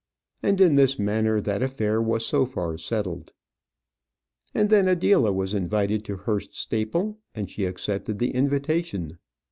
And in this manner that affair was so far settled. And then Adela was invited to Hurst Staple, and she accepted the invitation.